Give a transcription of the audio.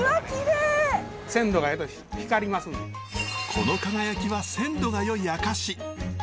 この輝きは鮮度がよい証し。